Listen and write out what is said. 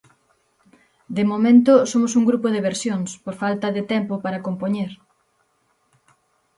De momento somos un grupo de versións por falta de tempo para compoñer.